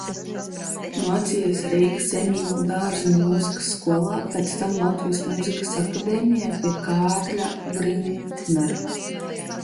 Mācījies Rīgas Emīla Dārziņa Mūzikas skolā, pēc tam Latvijas Mūzikas akadēmijā pie Kārļa Briknera.